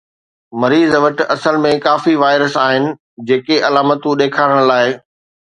مريض وٽ اصل ۾ ڪافي وائرس آهن جيڪي علامتون ڏيکارڻ لاءِ